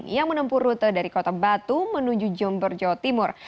yang menempuh rute dari kota batu menuju jember jawa timur